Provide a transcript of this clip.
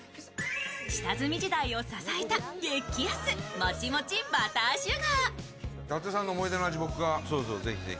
下積み時代を支えた激安もちもちバター・シュガー。